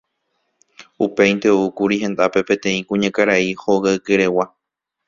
Upéinte oúkuri hendápe peteĩ kuñakarai hogaykeregua.